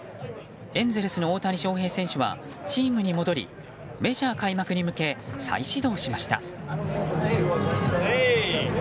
エンゼルスの大谷翔平選手はチームに戻りメジャー開幕に向け再始動しました。